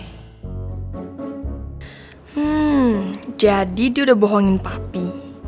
hmm jadi dia udah bohongin papi